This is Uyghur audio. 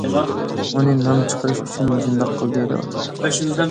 ئۇنى نام چىقىرىش ئۈچۈن مۇشۇنداق قىلدى، دەۋاتىدۇ.